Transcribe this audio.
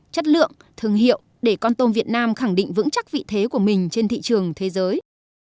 chất lượng thương hiệu để con tôm việt nam khẳng định vững chắc vị thế của mình trên thị trường thế giới